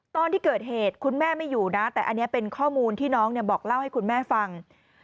ตอนที่เกิดเหตุคุณแม่ไม่อยู่นะแต่อันนี้เป็นข้อมูลที่น้องบอกเล่าให้คุณแม่ฟัง